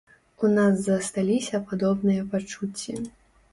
У нас засталіся падобныя пачуцці.